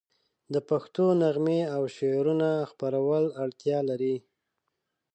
د پښتو نغمې او د شعرونو خپرول اړتیا لري.